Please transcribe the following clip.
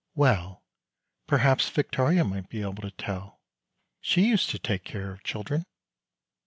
"Well, perhaps Victoria might be able to tell; she used to take care of children."